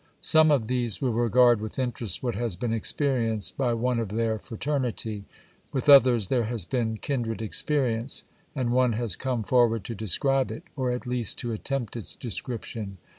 Some of these will regard with interest what has been experienced by one of their fraternity ; with others there has been kindred experience ; and one has come forward to describe it, or at least to attempt its description.